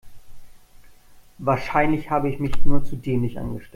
Wahrscheinlich habe ich mich nur zu dämlich angestellt.